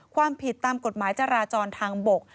ความผิดตามกฎหมายจราจรทางบก